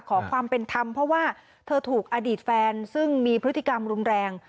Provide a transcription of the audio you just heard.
ขอความเป็นธรรมเพราะว่าเธอถูกอดีตแฟนซึ่งมีพฤติกรรมรุนแรง